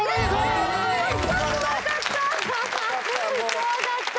怖かった。